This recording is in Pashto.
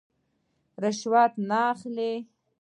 رشوت نه اخلي.